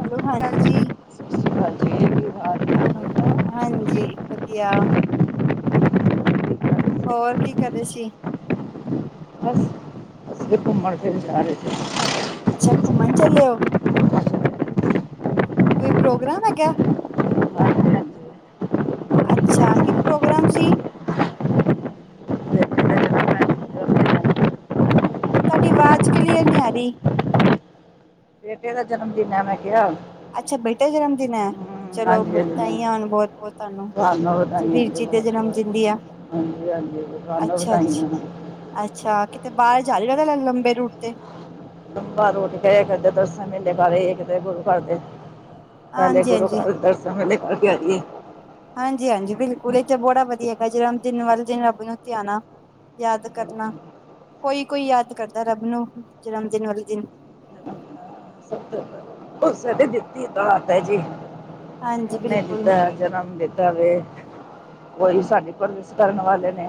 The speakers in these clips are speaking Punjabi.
ਹੈਲੋ ਹਾਂ ਜੀ ਸਤਿ ਸ਼੍ਰੀ ਅਕਾਲ ਜੀ ਮੇਰੀ ਆਵਾਜ਼ ਆਹ ਠੀਕ ਹਾਂਜੀ ਵਧੀਆ। ਆ ਠੀਕ ਆ ਤੁਸੀਂ? ਹੋਰ ਕੀ ਕਰਦੇ ਸੀ। ਬਸ ਜੀ ਘੁੰਮਣ ਫਿਰ ਜਾ ਰਹੇ ਸੀ। ਅੱਛਾ ਘੁੰਮਣ ਚੱਲੇ ਉ, ਕੋਈ ਪ੍ਰੋਗਰਾਮ ਹੈਗਾ। ਹਾਂਜੀ ਹਾਂਜੀ ਅੱਛਾ ਕੀ ਪ੍ਰੋਗਰਾਮ ਸੀ? ਬੇਟੇ ਦਾ ਜਨਮ ਤੁਹਾਡੀ ਆਵਾਜ਼ ਕਲੀਅਰ ਨੀ ਆ ਰਹੀ। ਬੇਟੇ ਦਾ ਜਨਮਦਿਨ ਹੈ ਮੈਂ ਕਿਹਾ। ਅੱਛਾ ਬੇਟਾ ਜਨਮਦਿਨ ਹੈ। ਚਲੋ ਹਾਂਜੀ ਹਾਂਜੀ ਤਾਂ ਮੈਂ ਆਉਣ ਬਹੁਤ-ਬਹੁਤ ਤੁਹਾਨੂੰ ਵੀਰ ਜੀ ਦੇ ਜਨਮ ਦਿਨ ਦੀਆ। ਹਾਂਜੀ-ਹਾਂਜੀ ਤੁਹਾਨੂੰ ਵਧਾਈਆਂ ਨੇ। ਅੱਛਾ ਕਿਤੇ ਬਾਹਰ ਜਾਏਗਾ ਤੇ ਲੰਬੇ ਰੂਟ ਤੇ। ਲੰਬਾ ਰੂਟ ਕੇ ਕਰਦੇ ਦਸਾਂ ਮਹੀਨੇ ਬਾਰੇ ਏ ਤੇ ਗੁਰੂ ਘਰ ਦੇ। ਹਲੇ ਹਾਂਜੀ ਗੁਰੂ ਹਾਂਜੀ ਘਰ [unintelligible] ਹਾਂਜੀ ਹਾਂਜੀ ਬਿਲਕੁਲ ਇਹ ਤੇ ਬੜਾ ਵਧੀਆ ਹੈਗਾ ਜਿ ਦਿਨ ਵਾਲੇ ਦਿਨ ਰੱਬ ਨੂੰ ਧਿਆਨਾ। ਯਾਦ ਕਰਨਾ ਕੋਈ-ਕੋਈ ਯਾਦ ਕਰਦਾ ਰੱਬ ਨੂੰ ਜਨਮ ਦਿਨ ਵਾਲੇ ਦਿਨ। [unintelligible] ਉਸੇ ਨੇ ਦਿੱਤੀ ਦਾਤ ਹੈ ਜੀ ਹਾਂਜੀ ਉਹਨੇ ਬਿਲਕੁਲ ਦਿੱਤਾ। ਜਨਮ ਦਿੱਤਾ ਵੇ ਉਹੀ ਸਾਡੀ ਪਰਵਿਸ਼ ਕਰਨ ਵਾਲੇ ਨੇ।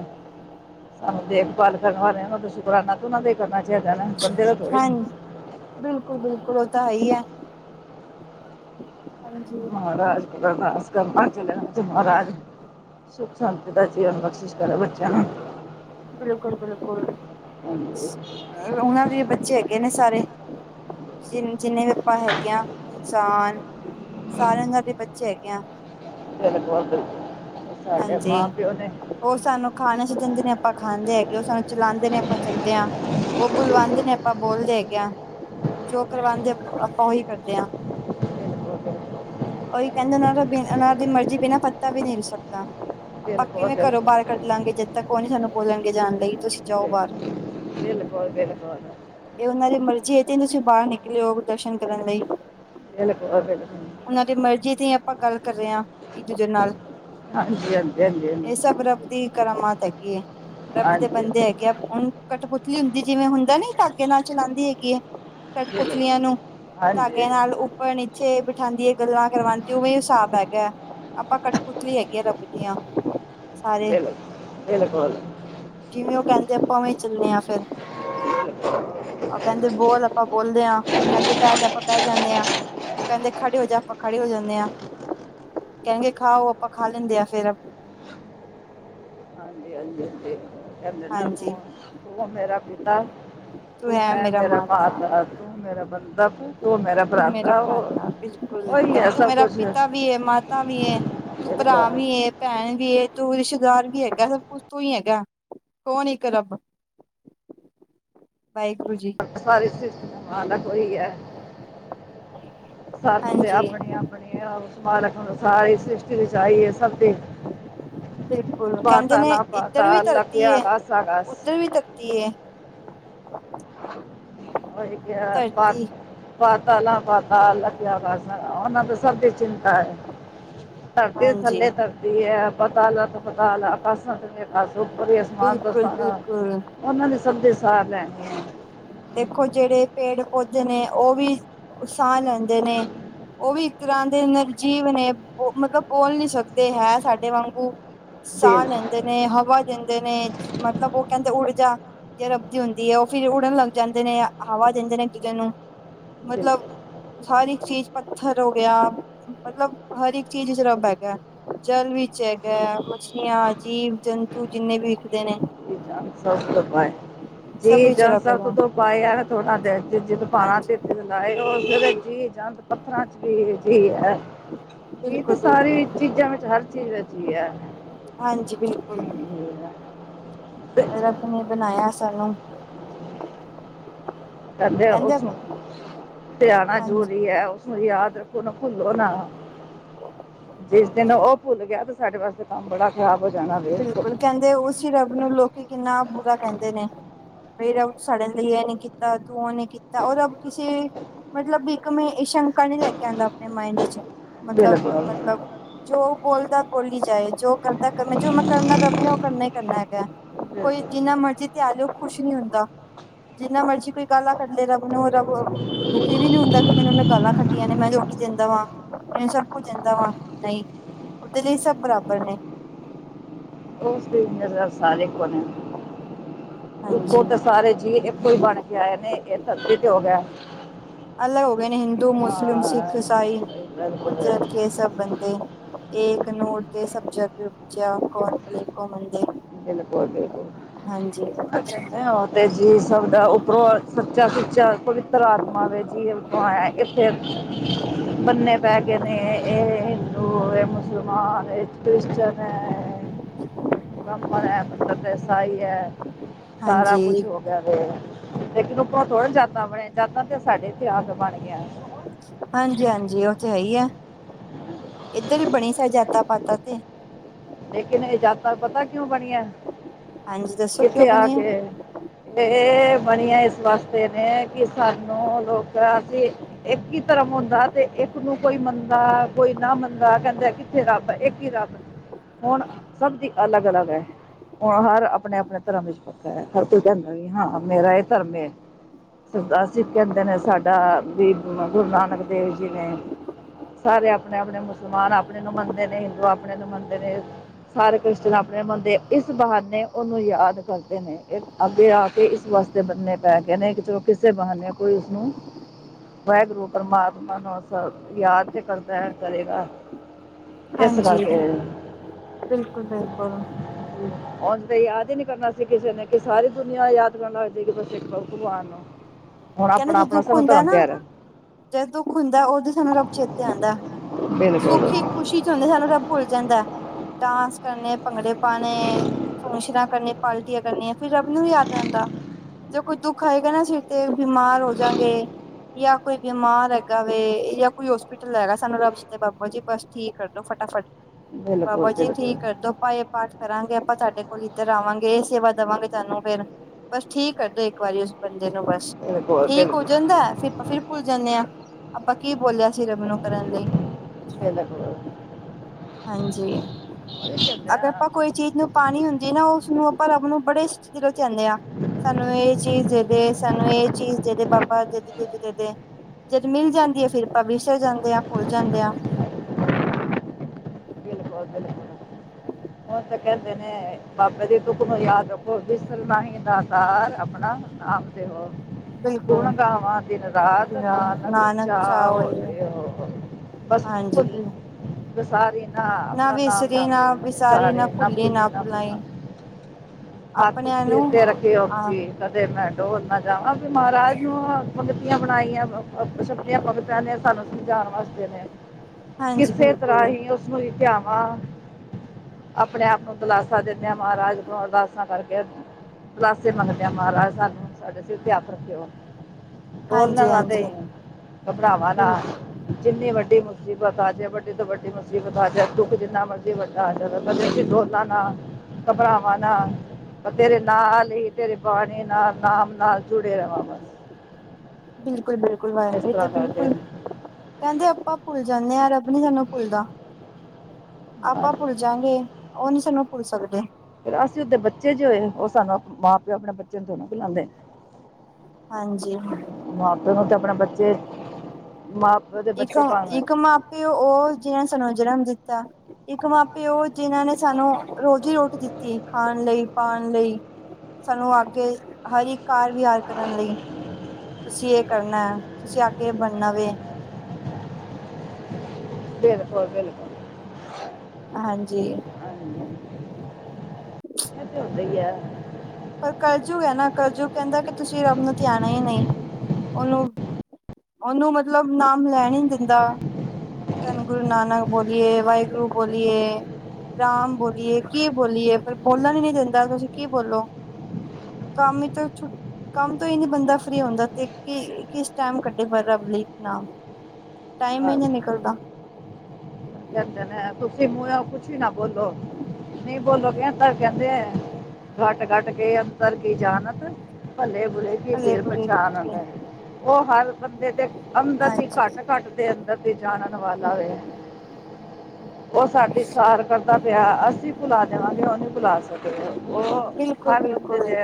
ਸਾਨੂੰ ਦੇਖਭਾਲ ਕਰਨ ਵਾਲੇ ਨਾਂ ਦਾ ਸ਼ੁਕਰਾਨਾ ਤਾਂ ਉਹਨਾ ਦਾ ਹੀ ਕਰਨਾ ਚਾਹੀਦਾ ਨਾ ਬੰਦੇ ਦਾ ਥੋੜੀ ਨਾ। ਬਿਲਕੁਲ-ਬਿਲਕੁਲ ਉਹ ਤਾਂ ਹੈ ਹੀ ਹੈ ਹਾਂਜੀ। ਮਹਾਰਾਜ ਅਰਦਾਸ ਕਰਨਾ ਚਲ ਮਹਾਰਾਜ ਸੁੱਖ ਸ਼ਾਂਤੀ ਦਾ ਜੀਵਨ ਬਖਸ਼ਿਸ਼ ਕਰੇ ਬੱਚਿਆਂ ਨੂੰ। ਬਿਲਕੁਲ-ਬਿਲਕੁਲ ਹਾਂਜੀ ਉਹਨਾਂ ਦੇ ਬੱਚੇ ਹੈਗੇ ਨੇ ਸਾਰੇ। ਜਿ ਜਿੰਨੇ ਵੀ ਆਪਾਂ ਹੈਗੇ ਆ ਇਨਸਾਨ ਸਾਰਿਆਂ ਘਰ ਦੇ ਬੱਚੇ ਹੈਗੇ ਆ। ਸਾਡੇ ਹਾਂਜੀ ਮਾਂ ਪਿਓ ਨੇ ਉਹ ਸਾਨੂੰ ਖਾਣ ਵਾਸਤੇ ਦਿੰਦੇ ਨੇ ਆਪਾਂ ਖਾਂਦੇ ਹੈਗੇ ਉਹ ਸਾਨੂੰ ਚਲਾਉਂਦੇ ਨੇ ਆਪਾਂ ਚੱਲਦੇ ਹਾਂ। ਉਹ ਬੁਲਵਉਂਦੇ ਨੇ ਆਪਾਂ ਬੋਲਦੇ ਹੈਗੇਆ ਜੋ ਕਰਵਾਉਦੇ ਆਪਾਂ ਉਹੀ ਕਰਦੇ ਹਾਂ। ਉਹੀ ਕਹਿੰਦੇ ਨੇ ਉਹਨਾਂ ਦਾ ਬਿ ਉਹਨਾਂ ਦੀ ਮਰਜੀ ਬਿਨਾਂ ਪੱਤਾ ਵੀ ਨਿਲ ਸਕਦਾ ਦਿਲ ਆਪਾਂ ਕੋਲ ਕਿਵੇਂ ਦਿਲ ਦਿਲ ਕੋਲ ਦਿਲ ਘਰੋ ਬਾਹਰ ਕੱਢ ਲਾਂਗੇ ਜਦ ਤੱਕ ਉਹ ਨੀ ਸਾਨੂੰ ਬੋਲਣਗੇ ਜਾਣ ਲਈ ਤੁਸੀਂ ਜਾਓ ਬਾਰ। ਦਿਲ- [unintelligible] ਇਹ ਉਹਨਾਂ ਦੀ ਮਰਜ਼ੀ ਇਹ ਤੇ ਤੁਸੀਂ ਬਾਹਰ ਨਿਕਲੇ ਹੋ ਦਰਸ਼ਨ ਕਰਨ ਲਈ। [unintelligible] ਉਹਨਾਂ ਦੀ ਮਰਜ਼ੀ ਤੇ ਆਪਾਂ ਗੱਲ ਕਰ ਰਹੇ ਹਾਂ ਇੱਕ ਦੂਜੇ ਨਾਲ। ਹਾਂਜੀ-ਹਾਂਜੀ, ਹਾਂਜੀ। ਇਹ ਸਭ ਰੱਬ ਦੀ ਕਰਾਮਾਤ ਹੈਗੀ ਹੈ ਰੱਬ ਦੇ ਹਾਂਜੀ ਬੰਦੇ ਹੈ ਹੁਣ ਕਠਪੁਤਲੀ ਹੁੰਦੀ ਜਿਵੇਂ ਹੁੰਦਾ ਨੀ ਧਾਗੇ ਨਾਲ ਚਲਾਉਂਦੀ ਹੈਗੀ ਹੈ। ਕਠਪੁਤਲੀਆਂ ਬਿਲਕੁਲ ਨੂੰ ਹਾਂਜੀ ਧਾਗਿਆਂ ਨਾਲ ਉੱਪਰ ਨੀਚੇ ਉੱਠਾਦੀ ਏ ਗੱਲਾਂ ਕਰਵਾਦੀ ਉਵੇਂ ਹਿਸਾਬ ਹੈਗਾ ਆਪਾਂ ਕਠਪੁਤਲੀਆਂ ਹੈਗੀ ਰੱਬ ਦੀਆਂ। ਸਾਰੇ [unintelligible] ਬਿਲਕੁਲ। ਜਿਵੇਂ ਉਹ ਕਹਿੰਦੇ ਆਪਾਂ ਉਵੇਂ ਚੱਲਦੇ ਆ ਫੇਰ। ਉਹ ਕਹਿੰਦੇ ਬੋਲ ਆਪਾਂ ਬੋਲਦੇ ਆ ਕਹਿੰਦੇ ਬਹਿ ਜਾ ਆਪਾਂ ਬੈ ਜਾਨੇ ਹਾਂ। ਉਹ ਕਹਿੰਦੇ ਖੜੇ ਹੋ ਜਾ ਆਪਾਂ ਖੜੇ ਹੋ ਜਾਨੇ ਆ ਕਹਿੰਦੇ ਖਾਓ ਆਪਾਂ ਖਾ ਲੈਂਦੇ ਆ ਫੇਰ। ਹਾਂਜੀ-ਹਾਂਜੀ, ਹਾਂਜੀ। ਕਹਿੰਦੇ ਨਾ ਹਾਂਜੀ ਤੂੰ, ਤੂੰ ਮੇਰਾ ਪਿਤਾ ਤੂੰ ਹੈ ਮੇਰਾ ਮਾਤਾ ਤੂੰ ਮੇਰਾ ਬੰਦਾ ਤੂੰ, ਤੂੰ ਮੇਰਾ ਭਰਾਤਾ। ਉਹੀ ਕ ਹੈ ਤੂੰ ਸਭ ਮੇਰਾ ਕੁਝ ਪਿਤਾ ਵੀ ਏ, ਮਾਤਾ ਵੀ ਏ, ਤੂੰ ਭਰਾ ਬਿਲਕੁਲ ਵੀ ਏ। ਭੈਣ ਵੀ ਐ। ਤੂੰ ਰਿਸ਼ਤੇਦਾਰ ਵੀ ਹੈਗਾ ਸਭ ਕੁਛ ਤੋਂ ਹੀ ਹੈਗਾ ਕੌਣ ਇੱਕ ਰੱਬ- ਵਾਹਿਗੁਰੂ ਜੀ। ਸਾਰੀ ਸ੍ਰਿਸ਼ਟੀ ਦਾ ਮਾਲਕ ਉਹੀ ਹੈ। ਸਾਨੂੰ ਤੇ ਹਾਂਜੀ ਆਪਣੀ ਆਪਣੀ ਉਸ ਮਾਲਕ ਨੂੰ ਸਾਰੀ ਸ੍ਰਿਸ਼ਟੀ ਰਚਾਈ ਆਈ ਐ ਸਭ ਦੀ ਬਿਲਕੁਲ ਕਹਿਦੇ ਨੇ ਇਧਰ ਪਾਤਾ ਵੀ ਅੱਲਾ ਧਰਤੀ ਕਿਆ ਐ। ਗਾਸਾ ਗਾਸ ਉਧਰ ਧਰਤੀ ਏ- ਧਰਤੀ [unintelligible] ਪਾਤਾਲਾ ਪਾਤਾਲਾ [unintelligible] ਉਹਨਾਂ ਤਾਂ ਸਭ ਦੀ ਚਿੰਤਾ ਐ। ਧਰਤੀ ਹਾਂਜੀ ਥੱਲੇ ਧਰਤੀ ਐ। ਪਤਾਲਾ ਪਤਾਲਾ ਆਕਾਸ਼ ਆਕਾਸ਼ ਉਪਰ ਈ ਅਸਮਾਨ ਬਿਲਕੁਲ ਸਾਰਾ। [unintelligible] ਉਹਨਾਂ ਨੇ ਸਭ ਦੀ ਸਾਰ ਲੈਣੀ। ਦੇਖੋ ਜਿਹੜੇ ਪੇੜ ਪੌਦੇ ਨੇ ਉਹ ਵੀ ਸਾਹ ਲੈਂਦੇ ਨੇ ਓ ਵੀ ਤਰ੍ਹਾਂ ਦੇ ਨਰਜੀਵ ਨੇ ਮਤਲਬ ਬੋਲ ਨੀ ਸਕਦੇ ਹੈ ਸਾਡੇ ਵਾਂਗੂ ਸਾਹ ਦਿਲ ਲੈਂਦੇ ਨੇ, ਹਵਾ ਦਿੰਦੇ ਨੇ ਮਤਲਬ ਉਹ ਕਹਿੰਦੇ ਊਰਜਾ ਜੇ ਰੱਬ ਦੀ ਹੈ। ਉਹ ਫਿਰ ਉੜਨ ਲੱਗ ਜਾਂਦੇ ਨੇ ਹਵਾ ਦਿੰਦੇ ਨੇ ਇਕ ਦੂਜੇ ਨੂੰ ਦਿਲ ਮਤਲਬ ਹਰ ਇੱਕ ਚੀਜ਼ ਪੱਥਰ ਹੋ ਗਿਆ ਮਤਲਬ ਹਰ ਇਕ ਚੀਜ਼ ਵਿੱਚ ਰੱਬ ਹੈਗਾ ਜਲ ਵਿਚ ਹੈਗਾ, ਮੱਛਲੀਆਂ ਜੀਵ ਜੰਤੂ ਜਿੰਨੇ ਵੀ ਵਿੱਖਦੇ ਨੇ [unintelligible] [unintelligible] ਪਾਣਾ ਸਭ ਤੇ- [unintelligible] ਵਿੱਚ ਰੱਬ ਹੈਗਾ ਹਾਂਜੀ ਚੰਦ ਪੱਥਰਾਂ 'ਚ ਵੀ ਜੀ ਹੈ। ਜੀ ਤਾਂ ਬਿਲਕੁਲ ਸਾਰੀ ਬਿਲਕੁਲ ਚੀਜ਼ਾਂ ਵਿੱਚ ਹਰ ਚੀਜ਼ ਵਿੱਚ ਈ ਐ। ਹਾਂਜੀ ਬਿਲਕੁਲ- [unintelligible] ਰੱਬ ਨੇ ਬਣਾਇਆ ਸਾਨੂੰ ਕਹਿੰਦੇ ਉਸਨੂੰ ਧਿਆਨਾ ਹਾਂਜੀ ਜ਼ਰੂਰੀ ਐ। ਯਾਦ ਰੱਖੋ ਓਹਨੂੰ ਭੁਲੋ ਨਾ- ਜਿਸ ਦਿਨ ਉਹ ਭੁੱਲ ਗਿਆ ਤੇ ਸਾਡੇ ਵਾਸਤੇ ਕੰਮ ਬੜਾ ਖ਼ਰਾਬ ਹੋ ਜਾਣਾ ਵੇਖੋ ਕਹਿਦੇ ਉਸੀ ਰੱਬ ਨੂੰ ਲੋਕੀ ਕਿੰਨਾ ਬੁਰਾ ਕਹਿਦੇ ਨੇ- ਵੀ ਰੱਬ ਤੂੰ ਸਾਡੇ ਲਈ ਏ ਨੀ ਕੀਤਾ ਤੂੰ ਓ ਨੀ ਕੀਤਾ ਔਰ ਰੱਬ ਕਿਸੇ ਮਤਲਬ ਇੱਕ ਸ਼ੰਕਾ ਨੀ ਲੈ ਕੇ ਆਂਦਾ ਆਪਣੇ ਮਾਇੰਡ 'ਚ- ਬਿਲਕੁਲ ਮਤਲਬ-ਮਤਲਬ ਜੋ ਬੋਲਦਾ ਬੋਲੀ ਜਾਏ ਜੋ ਕਰਦਾ ਜੋ ਮੈ ਕਰਨਾ ਰੱਬ ਨੇ ਓ ਕਰਨਾ ਹੀ ਕਰਨਾ ਹੈਗਾ ਕੋਈ ਬਿਲਕੁਲ। ਜਿੰਨਾ ਮਰਜੀ ਧਿਆ ਲਏ ਓ ਖੁਸ਼ ਨੀ ਹੁੰਦਾ ਜਿੰਨਾ ਮਰਜ਼ੀ ਕੋਈ ਗਾਲਾ ਕਡਲੇ ਰੱਬ ਨੂੰ ਰੱਬ ਦੁਖੀ ਵੀ ਨੀ ਹੁੰਦਾ ਕਿ ਮੈਨੂੰ ਨ ਗਾਲਾ ਕਡੀਆਂ ਨੇ ਮੈਂ ਰੋਟੀ ਦਿਦਾ ਵਾ ਮੈਨ ਸਭ ਕੁਛ ਦਿਦਾ ਵਾ ਨਹੀ ਉਹਦੇ ਲਈ ਸਭ ਬਰਾਬਰ ਨੇ ਸਾਰੇ ਕੋਣ ਇਕੋ ਹਾਂਜੀ ਤਾਂ ਸਾਰੇ ਜੀਅ ਇਕੋ ਹੀ ਬਣੇ ਇਹਨੇ ਇਹ ਸਬਕੁਛ ਹੋ ਗਿਆ। ਅਲੱਗ ਹੋ ਗਏ ਨੇ ਹਿੰਦੂ, ਮੁਸਲਿਮ, ਸਿੱਖ, ਹਾਂ ਈਸਾਈ ਬਿਲਕੁਲ ਕੁਦਰਤ ਕੇ ਸਭ ਬੰਦੇ ਏਕ ਨੂਰ ਤੇ ਸਭ ਜਗ ਉਪਜਿਆ ਕੌਣ ਭਲੇ ਕੋਣ ਮੰਦੇ। ਬਿਲਕੁਲ- ਬਿਲਕੁਲ ਹਾਂਜੀ। ਤੇ ਜੀ ਸਭ ਦਾ ਉਪਰੋ ਸੱਚਾ ਸੁੱਚਾ ਪਵਿਤਰ ਆਤਮਾ ਦੇ ਜੀ ਇਥੇ ਬੰਨੇ ਪੈ ਗਏ ਨੇ ਇਹ ਹਿਦੂ ਇਹ ਮੁਸਲਮਾਨ ਐ। ਕ੍ਰਿਸਚਨ ਏ। [inaudible] ਬ੍ਰਾਹਮਣ ਹੈ। ਤੇ ਇਸਾਈ ਹੈ ਸਾਰਾ ਕੁਛ ਹਾਂਜੀ, ਲੇਕਿਨ ਉਰ ਥੋੜਾ ਯਦਾ ਬਣਿਆ ਯਦਾ ਤੇ ਸਾਡੇ ਇਤਿਹਾਸ ਬਣ ਗਿਆ ਹਾਂਜੀ- ਹਾਂਜੀ ਉਹ ਤੇ ਹੈ ਈ ਏ। ਇਧਰ ਵੀ ਬਣੀ ਸਬ ਜਾਤਾ ਪਾਤਾ ਤੇ ਲੇਕਿਨ ਇਹ ਜਾਤਾਂ ਪਤਾ ਕਿਉਂ ਬਣੀਆਂ, ਹਾਂਜੀ ਦੱਸੋ ਕਿਉਂ ਕਿੱਥੇ ਆ ਬਣੀ ਹੈ ਕੇ ਇਹ ਬਣੀਆਂ ਇਸ ਵਾਸਤੇ ਨੇ, ਕਿ ਸਾਨੂੰ ਲੋਕ ਅਸੀਂ ਇੱਕ ਹੀ ਧਰਮ ਹੁੰਦਾ ਤੇ ਇੱਕ ਨੂੰ ਕੋਈ ਮੰਨਦਾ ਕੋਈ ਨਾ ਮੰਨਦਾ, ਕਹਿੰਦੇ ਕਿੱਥੇ ਰੱਬ ਇੱਕ ਹੀ ਰੱਬ ਹੁਣ, ਸਭ ਦੀ ਅਲੱਗ ਅਲੱਗ ਐ। ਹੁਣ ਹਰ ਆਪਣੇ ਆਪਣੇ ਧਰਮ ਵਿੱਚ ਪੱਕਾ ਏ, ਹਰ ਕੋਈ ਕਹਿੰਦਾ ਵੀ ਹਾਂ ਮੇਰਾ ਇਹ ਧਰਮ ਏ। ਸਰਦਾਰ ਸਿੱਖ ਕਹਿੰਦੇ ਨੇ ਸਾਡਾ ਵੀ ਗੁਰੂ ਨਾਨਕ ਦੇਵ ਜੀ ਨੇ ਸਾਰੇ ਆਪਣੇ ਆਪਣੇ ਮੁਸਲਮਾਨ ਆਪਣੇ ਨੂੰ ਮੰਨਦੇ ਨੇ, ਹਿੰਦੂ ਆਪਣੇ ਨੂੰ ਮੰਨਦੇ ਨੇ। ਸਾਰੇ ਕ੍ਰਿਸ਼ਚਨ ਆਪਣੇ ਮੁੰਨਦੇ, ਇਸ ਬਹਾਨੇ ਉਹਨੂੰ ਯਾਦ ਕਰਦੇ ਨੇ, ਇਹ ਅੱਗੇ ਆ ਕੇ ਇਸ ਵਾਸਤੇ ਬੰਨੇ ਪੈ ਗਏ ਨੇ, ਕਿ ਚਲੋਂ ਕਿਸੇ ਬਹਾਨੇ ਕੋਈ ਉਸਨੂੰ ਵਾਹਿਗੁਰੂ ਪ੍ਰਮਾਤਮਾ ਨੂੰ ਯਾਦ ਤੇ [unintelligible] ਕਰੇਗਾ। ਇਸ ਹਾਂਜੀ ਕਰਕੇ ਬਿਲਕੁਲ ਬਿਲਕੁਲ। [unintelligible] ਉਝ ਤੇ ਯਾਦ ਹੀ ਨੀ ਕਰਨਾ ਸੀ ਕਿਸੇ ਨੇ, ਕਿ ਸਾਰੀ ਦੁਨੀਆਂ ਯਾਦ ਕਰਨਾ ਹੋ ਕਿ ਇੱਕ ਭਗਵਾਨ ਨੂੰ। ਹੁਣ ਕਹਿੰਦਾ ਆਪਣਾ ਜੇ ਆਪਣਾ ਦੁੱਖ ਸਾਨੂੰ ਹੁੰਦਾ ਧਰਮ ਨਾ ਪਿਆਰਾ ਜਦੋਂ ਦੁੱਖ ਹੁੰਦਾ ਉਦੋਂ ਸਾਨੂੰ ਰੱਬ ਚੇਤੇ ਆਉਂਦਾ, ਹੈ। ਬਿਲਕੁਲ ਸੁੱਖੀ ਖੁਸ਼ੀ ਚ ਹੁੰਦੇ, ਸਾਨੂੰ ਸਭ ਭੁੱਲ ਜਾਂਦਾ, ਡਾਂਸ ਕਰਨੇ ਭੰਗੜੇ ਪਾਂਣੇ [unintelligible] ਕਰਨ ਪਾਲਟੀਆਂ ਕਰਨੀਆਂ, ਫਿਰ ਰੱਬ ਨੀ ਉਹ ਯਾਦ ਰਹਿੰਦਾ, ਜ ਕੋਈ ਦੁੱਖ ਆਏਗਾ ਨਾ ਸਿਰ ਤੇ ਬਿਮਾਰ ਹੋ ਜਾਂਗੇ ਜਾਂ ਕੋਈ ਬਿਮਾਰ ਹੈਗਾ ਵੇ ਜਾਂ ਕੋਈ ਹੋਸ ਪੀਟਲ ਹੈਗਾ, ਸਾਨੂੰ ਰੱਬ ਤੇ ਬਾਬਾ ਜੀ ਬਸ ਠੀਕ ਕਰਦੋ, ਫਟਾਫਟ ਬਿਲਕੁਲ ਬਾਬਾ ਜੀ ਬਿਲਕੁਲ ਬਿਲਕੁਲ ਠੀਕ ਕਰਦੋ। ਆਪਾਂ ਇਹ ਪਾਠ ਕਰਾਂਗੇ, ਆਪਾਂ ਸਾਡੇ ਕੋਲ ਇੱਧਰ ਆਵਾਂਗੇ, ਇਹ ਸੇਵਾ ਦੇਵਾਂਗੇ ਸਾਨੂੰ ਫੇਰ। ਬਸ ਠੀਕ ਕਰਦੋ ਇੱਕ ਵਾਰੀ ਉਸ ਬੰਦੇ ਨੂੰ ਬਸ। ਬਿਲਕੁਲ ਠੀਕ ਹੋ ਬਿਲਕੁਲ ਜਾਂਦਾ ਐ, ਫਰ ਫਿਰ ਭੁੱਲ ਜਾਂਦੇ ਆ, ਆਪਾਂ ਕੀ ਬੋਲਿਆਂ ਸੀ ਰੱਬ ਨੂੰ ਕਰਨ ਲਈ। ਹਾਂਜੀ ਇਹ ਕਹਿੰਦੇ ਅਗਰ ਆ ਆਪਾਂ ਕੋਈ ਚੀਜ਼ ਨੂੰ ਪਾਣੀ ਹੁੰਦੀ ਨਾ, ਉਸਨੂੰ ਆਪਾਂ ਰੱਬ ਨੂੰ ਬੜੇ ਚ ਆਹਂਦੇ ਐ [inaudible] ਸਾਨੂੰ ਇਹ ਚੀਜ਼ ਦੇਦੇ, ਸਾਨੂੰ ਇਹ ਚੀਜ਼ ਦੇਦੇ ਬਾਬਾ ਦੇਦੇ ਦੇਦੇ, ਦੇਦੇ। ਜਦ ਮਿਲ ਜਾਂਦੀ ਆ, ਫੇਰ ਆਪਾਂ ਵਿਸਰ ਜਾਂਦੇ ਆ, ਖੁੱਲ ਜਾਂਦੇ ਆ। [inaudible] ਤੇ ਕਹਿੰਦੇ ਨੇ ਬਾਬੇ ਦੇ [unintelligible] ਨੂੰ ਯਾਦ ਰੱਖੋ, ਵਿਸਰ ਨਾਹੀ ਦਾਤਾਰ, ਆਪਣਾ ਨਾਮ ਤੇ ਹੋ ਗੁਣ ਬਿਲਕੁਲ। ਗਾਵਾਂ ਦਿਨ ਰਾਤ, ਨਾਨਕ ਚਾ ਓ ਏ ਹੋ। ਬਸ ਹਾਂਜੀ ਭੁੱਲ ਵਿਸਾਰੀ ਹਾਂ, ਨਾ ਆਪਣਾ ਨਾਮ ਵਿਸਰੀ ਦੇਨਾਂ ਨਾ ਨੇ ਵਿਸਾਰੀ ਵਿਸਾਰੇ ਨਾ ਭੁੱਲੀ ਭੁੱਲ ਨਾ ਭੁਲਾਈ ਭੁੱਲਣਾ। ਹੱਥ ਆਪਣਿਆਂ ਸਿਰ ਨੂੰ ਤੇ ਰੱਖ ਹੋ ਹਾਂ ਜੀ ਮੈਂ ਡੋਲਨਾ ਜਾ [inaudible] ਵਾਂ ਵੀ ਮਹਾਰਾਜ ਨੂੰ ਮਤਲਬ ਬਣਾਈਆਂ ਭਾਗਤਾ ਨੇ ਆਪਾਂ ਪਹਨੇ, ਸਾਨੂੰ ਸਮਝਾਣ ਵਾਸਤੇ ਨੇ [unintelligible] ਹਾਂਜੀ ਕਿਸੇ ਬਿਲਕੁਲ ਤਰ੍ਹਾਂ ਹੀ ਉਸਨੂੰ ਰ ਧਿਆਵਾਂ, ਆਪਣੇ ਆਪ ਨੂੰ ਦਿਲਾਸ ਸਦ ਦੇ ਆ, ਮਹਾਰਾਜ ਨੂੰ ਅਰਦਾਸਾਂ ਕਰਕੇ [unintelligible] ਮੰਗਦੇ ਆ, ਮਹਾਰਾਜ ਸਾਨੂੰ ਸਾਡੇ ਸਿਰ ਤੇ ਹੱਥ ਰੱਖੇਓ। ਡੋਲਣ ਹਾਂਜੀ ਨਾ ਦਈ, ਹਾਂਜੀ ਘਬਰਾਵਾਂ ਨਾ। ਬਿਲਕੁਲ ਜਿੰਨੀ ਵੱਡੀ ਮੁਸੀਬਤ ਆ ਜੇ, ਵੱਡੀ ਤੋਂ ਵੱਡੀ ਮੁਸੀਬਤ ਮੁਸੀਬਤ ਆ ਜਾਵੇ, ਦੁੱਖ ਜਿੰਨਾ ਮਰਜ਼ੀ ਵੱਡਾ ਆ ਜਾਵੇ ਬਾਬਾ ਕੱਦੇ ਡੋਲਾ ਨਾ ਘਬਰਾਵਾਂ ਨਾ। ਤੇਰੇ ਨਾਲ ਹੀ, ਤੇਰੇ ਬਾਣੀ ਨਾਲ, ਨਾਮ ਨਾਲ ਜੁੜੇ ਰਵਾਂ ਬਸ। ਬਿਲਕੁਲ, ਬਿਲਕੁਲ, ਵਾ ਇਸ ਇਹ ਤਾਂ ਤਰ੍ਹਾਂ ਕਰਦੇ ਬਿਲਕੁਲ, ਨੇ ਕਹਿੰਦੇ ਆਪਾਂ ਭੁੱਲ ਜਾਂਦੇ ਆ, ਰੱਬ ਰਬ ਨੀ ਸਾਨੂੰ ਭੁੱਲਦਾ, ਨਾ ਆਪਾਂ ਜੀ। ਭੁੱਲ ਜਾਵਾਗੇ, ਉਹ ਨੀ ਸਾਨੂੰ ਭੁੱਲ ਸਕਦੇ। ਫੇਰ ਅਸੀਂ ਉਹਦੇ ਬੱਚੇ ਜੋ ਹੋਏ, ਉਹ ਸਾਨੂੰ ਮਾਂ ਪਿਓ ਆਪਣੇ ਬੱਚਿਆਂ ਨੂੰ ਤੋਂ ਨਾ ਭੁੱਲਾਉਂਦੇ। ਹਾਂਜੀ ਮਾਂ ਪਿਓ ਨੂੰ ਤੇ ਆਪਣਾ ਬੱਚੇ, ਮਾਂ ਪਿਓ ਦੇ ਇੱਕ ਬੱਚੇ ਭਾਵੇਂ ਇੱਕ ਮਾਂ- ਪਿਓ ਉਹ, ਜਿੰਨੇ ਸਾਨੂੰ ਜਨਮ ਦਿੱਤਾ। ਇੱਕ ਮਾ ਪਿਉ ਉਹ ਜਿੰਨਾਂ ਨੇ ਸਾਨੂੰ ਰੋਜ਼ੀ- ਰੋਟੀ ਦਿੱਤੀ ਖਾਣ ਲਈ, ਪਾਉਣ ਲਈ ਸਾਨੂੰ ਆ ਕੇ ਹਰ ਇੱਕ ਕਾਰ ਵਿਹਾਰ ਕਰਨ ਲਈ ਤੁਸੀਂ ਇਹ ਕਰਨਾ ਹੈ, ਤੁਸੀਂ ਅੱਗੇ ਬਣਨਾ ਵ ਬਿਲਕੁਲ- ਬਿਲਕੁਲ ਹਾਂਜੀ ਹਾਂਜੀ-ਹਾਂਜੀ, ਇਹ ਤੇ ਹੁੰਦਾ ਹੀ ਆ ਪਰ ਕਰਜੂ ਹੈ ਨਾ, ਕਰਜੂ ਕਹਿੰਦਾ ਕਿ ਤੁਸੀਂ ਰੱਬ ਨੂੰ ਧਿਆਉਣਾ ਹੀ ਨਹੀਂ ਉਹਨੂੰ ਉਹਨੂੰ ਮਤਲਬ ਨਾਮ ਲੈਣ ਹੀ ਦਿੰਦਾ ਧਨ ਗੁਰੂ ਨਾਨਕ ਬੋਲੀਏ, ਵਾਹਿਗੁਰੂ ਬੋਲੀਏ ਰਾਮ ਬੋਲੀਏ ਕੀ ਬੋਲੀਏ ਫਿਰ ਬੋਲਣ ਹੀ ਨੀ ਦਿੰਦਾ ਤੁਸੀਂ ਕੀ ਬੋਲੋ ਕੰਮ ਤਾਂ ਛੁਟ ਕੰਮ ਤੋਂ ਹੀ ਨਹੀ ਬੰਦਾ ਫਰੀ ਹੁੰਦਾ ਤੇ, ਕਿਸ ਟਾਈਮ ਕੱਢੇ ਫਿਰ ਰੱਬ ਲਈ ਟਾਈਮ ਹੀ ਬਸ ਨਹੀਂ ਨਿਕਲਦਾ ਕਹਿੰਦੇ ਤੁਸੀਂ ਮੂੰਹੋ ਕੁਛ ਵੀ ਨਾ ਬੋਲੋ, ਨਹੀਂ ਬੋਲੋ ਤਾਂ ਕਹਿੰਦੇ ਕੱਟ ਕੱਟ ਕੇ ਅੰਤਰ ਕੀ ਜਾਨਤ, ਭਲੇ ਬੁੇ ਕੀ ਭੱਲੇ ਫੇਰ ਬੁਰੇ ਪਚਾਣ ਆਉਂਦਾ ਹੈ, ਉਹ ਹਰ ਬੰਦੇ ਦੇ ਅੰਦਰ ਦੀ ਹਾਂਜੀ ਘੱਟ- ਘੱਟ ਦੇ ਅੰਦਰ ਤੇ ਜਾਣਨ ਵਾਲਾ ਹੋਇਆ ਉਹ ਸਾਡੀ ਸਾਰ ਕਰਦਾ ਪਿਆ, ਅਸੀਂ ਭੁਲਾ ਦੇਵਾਂਗੇ ਉਹ ਨਹੀਂ ਬੁਲਾ ਸਕਦੇ ਉਹ ਬਿਲਕੁਲ ਹਰ ਬੰਦੇ ਬਿਲਕੁਲ ਤੇ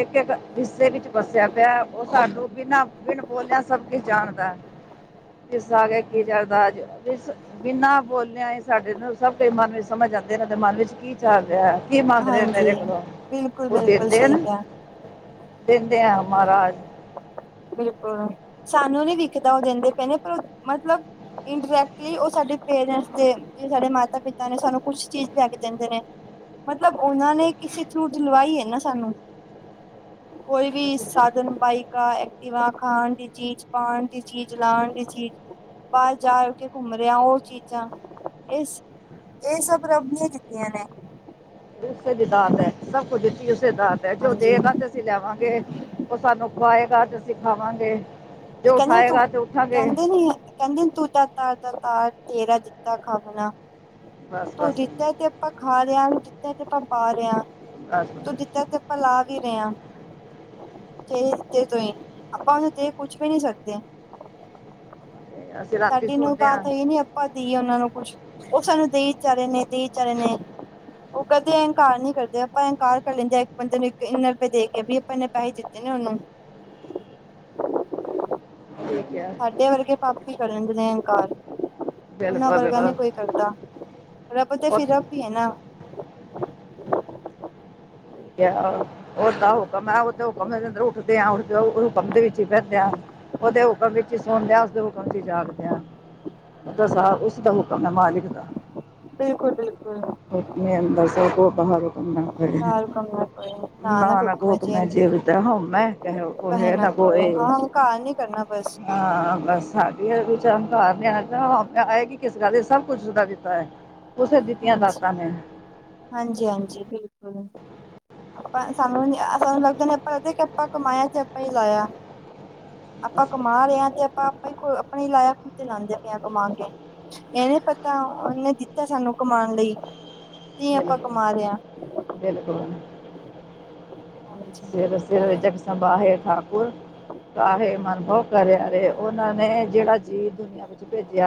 ਇੱਕ- ਇੱਕ ਹਿੱਸੇ ਵਿੱਚ ਵਸਿਆ ਪਿਆ, ਉਹ ਸਾਨੂੰ ਬਿਨਾਂ ਬਿਨ ਬੋਲਿਆ ਸਭ ਕਿ ਜਾਣਦਾ [inaudible] ਇਸ ਕੇ ਕੀ ਕਰਦਾ ਅੱਜ, ਬਿਨਾਂ ਬੋਲਿਆ ਸਾਡੇ ਨੂੰ ਸਭ ਕੁ ਮਨ ਵਿੱਚ ਸਮਝ ਆਉਂਦੇ, ਇਹਨਾਂ ਦੇ ਮਨ ਵਿੱਚ ਕੀ ਚੱਲ ਰਿਹਾ, ਕੀ ਮੰਗ ਰਹੇ ਮੇਰੇ ਹਾਂਜੀ ਕੋਲੋਂ, ਬਿਲਕੁਲ ਉਹ ਬਿਲਕੁਲ ਦਿੰਦੇ ਆ ਸਹੀ ਨਾ ਕਿਹਾ ਦਿੰਦੇ ਆ ਮਹਾਰਾਜ ਬਿਲਕੁਲ, ਸਾਨੂੰ ਨੀ ਵਿਖਦਾ ਤਾਂ ਉਹ ਦਿੰਦੇ ਪਏ ਪਰ ਮਤਲਬ ਇੰਡਰੈਕਟਲੀ ਉਹ ਸਾਡੇ ਪੇਰੈਂਟਸ ਦੇ ਜੇ ਸਾਡੇ ਮਾਤਾ ਪਿਤਾ ਨੇ, ਸਾਨੂੰ ਕੁਛ ਚੀਜ਼ ਲੈ ਕੇ ਦਿੰਦੇ ਨੇ ਮਤਲਬ ਉਹਨਾਂ ਨੇ ਕਿਸੇ ਥਰੂ ਦਿਲਵਾਈ ਹੈ ਨਾ ਸਾਨੂੰ ਕੋਈ ਵੀ ਸਾਧਨ ਬਾਈ ਕਾ ਦੀਵਾ ਖਾਣ ਦੀ ਚੀਜ਼, ਪਾਉਣ ਦੀ ਚੀਜ਼, ਲਾਉਣ ਦੀ ਚੀਜ਼ ਬਾਹਰ ਜਾ ਕੇ ਘੁੰਮ ਰਿਹਾ ਉਹ ਚੀਜ਼ਾਂ, ਇਸ ਇਹ ਸਭ ਰੱਬ ਦੀਆਂ ਕੀਤੀਆਂ ਨੇ ਉਸੇ ਵੀ ਦਾਤ ਹੈ ਸਭ ਕੁਝੀ ਉਸੇ ਦਾਤ ਹੈ ਜੋ ਹਾਂਜੀ ਦੇਗਾ ਤੇ ਅਸੀਂ ਲਵਾਂਗੇ, ਉਹ ਸਾਨੂੰ ਖਵਾਏਗਾ, ਅੱਜ ਅਸੀਂ ਖਾਵਾਂਗੇ ਜੇ ਤੇ ਕਹਿੰਦੇ ਤੂੰ ਉਠਾਏਗਾ ਤੇ ਉੱਠਾਂਗੇ ਕਹਿੰਦੇ ਨੀ ਕਹਿੰਦੇ ਤੂੰ ਤਾਂ ਤਾਰ ਦਾ ਤਾਰ ਤੇਰਾ ਦਿੱਤਾ ਖਾਣਾ ਬਸ ਤੂੰ ਬਸ ਦਿੱਤਾ ਤੇ ਆਪਾਂ ਖਾ ਰਹਾ ਜਿੱਥਾਂ ਆਪਾਂ ਪਾ ਰਹੇ ਹਾਂ ਬਸ ਤੂੰ ਤੇ ਜਿੱਦਾਂ ਆਪਾਂ ਲਾ ਵੀ ਰਹੇ ਹਾਂ ਹਤੇ ਤੋਂ ਹੀ ਆਪਾਂ ਉਹਨੂੰ ਜ ਕੁਝ ਪੁਛ ਵੀ ਨਹੀਂ ਸਕਦੇ [unintelligible] ਸਾਡੀ ਨੂੰ ਸੁਣਦੇ ਤਾਂ ਹਾਂ ਨੀ ਆਪਾਂ ਦੇਈਏ ਉਹਨਾਂ ਨੂੰ ਕੁਛ ਉਹ ਸਾਨੂੰ ਦੇਈ ਵਿਚਾਰੇ ਨੇ ਦੇਈ ਵਿਚਾਰੇ ਨੇ ਉਹ ਕਦੇ ਇਨਕਾਰ ਨਹੀਂ ਕਰਦੇ ਆਪਾਂ ਇੰਕਾਰ ਕਰ ਲੈਂਦੇ ਆ ਇੱਕ ਬੰਦੇ ਨੂੰ ਇੱਕ ਇੰਨਾ ਰੁਪਏ ਦੇ ਕੇ ਵੀਹ ਨੇ ਪੈਸੇ ਦਿੱਤੇ ਨੇ ਉਹਨੂੰ [unintelligible] ਕਿਹਾ ਸਾਡੇ ਵਰਗੇ ਪਾਪ ਕਰਨ ਦੇ ਅੰਕਾਰ ਉਹਨਾਂ ਬਿਲਕੁਲ ਵਰਗਾ ਨੇ ਬਿਲਕੁਲ ਕੋਈ ਕਰਦਾ ਰੱਬ ਤੇ ਉਹ ਫਿਰ ਰੱਬ ਹੀ ਹੈ ਨਾ ਉਹਦਾ ਹੁਕਮ ਹੈ ਉਹ ਹੁਕਮ ਉੱਠਦੇ ਆ ਹੁਕਮ ਦੇ ਵਿੱਚ ਹੀ ਬਿੰਦਿਆ ਉਹਦੇ ਹੁਕਮ ਵਿੱਚ ਹੀ ਸੁਣਦੇ ਆਂ ਉਸਦੇ ਹੁਕਮ ਚ ਜਾਗਦਿਆਂ ਉਹ ਸਾ ਉਸ ਦਾ ਹੁਕਮ ਹੈ ਮਾਲਿਕ ਦਾ ਬਿਲਕੁਲ ਬਿਲਕੁਲ ਉਹਣੇ ਅੰਬਰਸਰ ਕੋ ਬਾਹਰ ਕਰਨਾ ਕਾਰ ਹੁਕਮ ਨਾ ਕੋਈ ਨਾਨਕ ਨਾ ਕੋ ਹੁਕਮ ਮੈਂ ਜੇ ਤੇ ਹਉਮੈ ਮੈਂ ਕੁ ਕਹੇ ਨਾ ਕੋ ਕੋਈ ਹਾਂ ਅਹੰਕਾਰ ਨੀ ਕਰਨਾ ਬਸ ਹਾਂ ਬਸ ਇਹ ਕੀ ਚਾਹੁੰਦਾ ਨੇ ਹੈਗਾ ਆਪ ਆਏ ਕਿ ਕਿਸ ਗੱਲ ਸਭ ਕੁਝਦਾ ਦਿੱਤਾ ਹੈ ਦਿੱਤੀਆਂ ਹਾਂਜੀ ਦਾਤਾਂ ਨੇ ਹਾਂਜੀ ਹਾਂਜੀ ਬਿਲਕੁਲ ਆਪਾਂ ਸਾਨੂੰ ਸਾਨੂੰ ਲੱਗਦਾ ਨੇ ਆਪਾਂ ਕਿ ਆਪਾ ਕਮਾਇਆ ਤੇ ਆਪਾਂ ਹੀ ਲਾਇਆ ਆਪਾਂ ਕਮਾ ਰਹੇ ਹਾਂ ਤੇ ਆਪਾਂ ਆਪਣੇ ਲਾਇਕ ਖੁ ਤੇ ਲਾਉਂਦੇ ਪਏਆਂ ਕਮਾ ਕੇ ਇਹਨੇ ਪਤਾ ਉਹਨੇ ਦਿੱਤਾ ਸਾਨੂੰ ਕਮਾਉਣ ਲਈ ਤੇ ਹੈਲੋ ਆਪਾਂ ਕਮਾ ਰਹੇ ਹਾਂ ਹੈਲੋ ਕਰੋਨਾ ਹਾਂਜੀ। ਸਵੇਰ ਸਵੇਰ ਜਗ ਸੰਬਾਹਿ ਠਾਕੁਰ ਕਾਹੇ ਮਨਭੋ ਕਰਿਆ ਰ ਉਹਨਾਂ ਨੇ ਜਿਹੜਾ ਜੀਵ ਦੁਨੀਆਂ ਵਿੱਚ ਭੇਜਿਆ